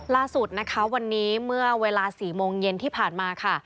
ล่าสุดนะคะวันนี้เมื่อเวลา๔โมงเย็นที่ผ่านมาค่ะ